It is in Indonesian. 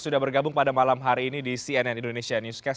sudah bergabung pada malam hari ini di cnn indonesia newscast